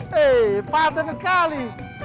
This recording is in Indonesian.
hei pak tenegali